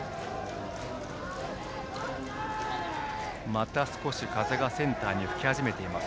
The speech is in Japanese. また少し風がセンターに吹き始めています